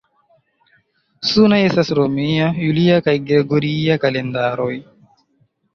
Sunaj estas romia, julia kaj gregoria kalendaroj.